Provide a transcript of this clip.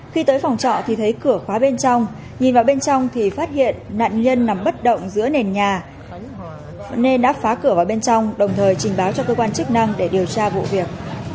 khi tới phòng trọ thì thấy cửa khóa bên trong nhìn vào bên trong thì phát hiện nạn nhân nằm bất động giữa nền nhà nên đã phá cửa vào bên trong đồng thời trình báo cho cơ quan chức năng để điều tra vụ việc